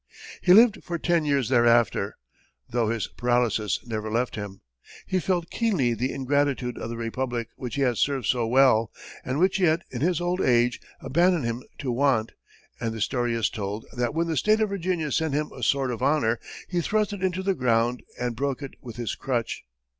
He lived for ten years thereafter, though his paralysis never left him. He felt keenly the ingratitude of the Republic which he had served so well, and which yet, in his old age, abandoned him to want, and the story is told that, when the state of Virginia sent him a sword of honor, he thrust it into the ground and broke it with his crutch.